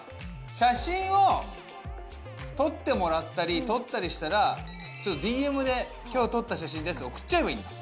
写真を撮ってもらったり撮ったりしたらちょっとＤＭで「今日撮った写真です」って送っちゃえばいいんだ。